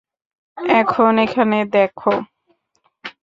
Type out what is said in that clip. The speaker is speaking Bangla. এখন, এখানে দেখো।